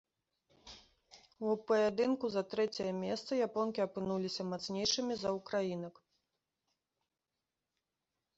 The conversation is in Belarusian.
У паядынку за трэцяе месца японкі апынуліся мацнейшымі за ўкраінак.